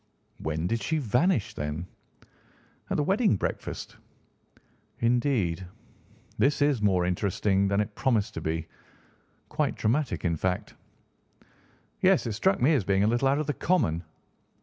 "When did she vanish, then?" "At the wedding breakfast." "Indeed. This is more interesting than it promised to be; quite dramatic, in fact." "Yes; it struck me as being a little out of the common."